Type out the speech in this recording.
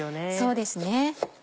そうですね。